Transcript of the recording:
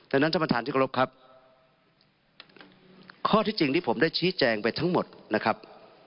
ดังนั้นท่านประธานที่กรบครับข้อที่จริงที่ผมได้ชี้แจงไปทั้งหมดนะครับ